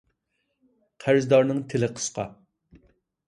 قەرزدارنىڭ تىلى قىسقا.